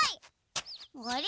あれ？